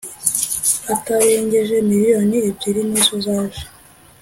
atarengeje miliyoni ebyiri nizo zaje